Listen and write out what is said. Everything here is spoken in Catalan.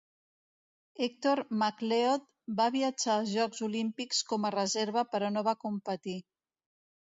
Hector McLeod va viatjar als Jocs Olímpics com a reserva però no va competir.